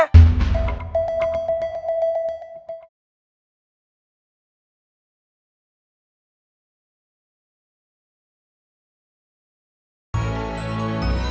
kamu kamu semuanya udah tua